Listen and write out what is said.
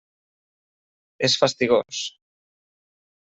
És fastigós.